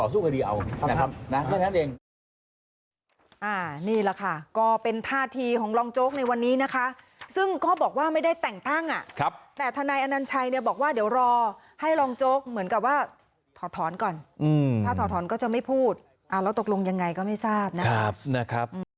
ส่วนรุ่นน้องแปดคนเขาก็ต้องไปต่อสู้คดีเอานะครับ